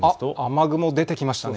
雨雲出てきましたね。